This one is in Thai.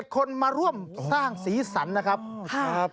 ๑๑๐๑คนมาร่วมสร้างศีรษรรณนะครับ